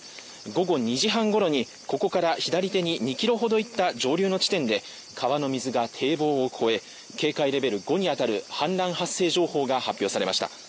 午後２時半ごろにここから左手に２ｋｍほどいった上流の地点で川の水が堤防を越え、警戒レベル５に当たる氾濫発生情報が発表されました。